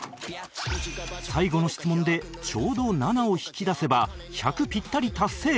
最後の質問でちょうど７を引き出せば１００ピッタリ達成！